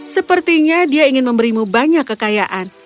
sepertinya dia ingin memberimu banyak kekayaan